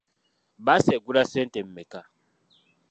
Bbaasi egula ssente mmeka?